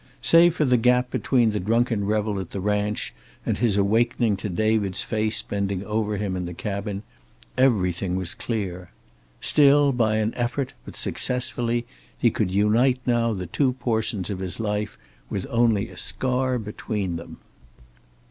Save for the gap between the drunken revel at the ranch and his awakening to David's face bending over him in the cabin, everything was clear. Still by an effort, but successfully, he could unite now the two portions of his life with only a scar between them.